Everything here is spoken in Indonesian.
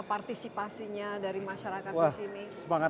partisipasinya dari masyarakat disini